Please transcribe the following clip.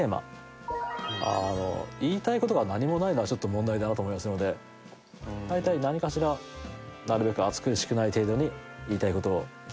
あの言いたいことが何もないのはちょっと問題だなと思いますのでだいたい何かしらなるべく暑苦しくない程度に言いたいことを決めます。